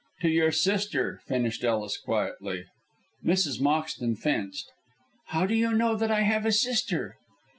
"To your sister," finished Ellis, quietly. Mrs. Moxton fenced. "How do you know that I have a sister?"